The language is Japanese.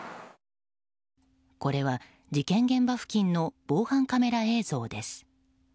これは事件現場付近の防犯カメラ映像です。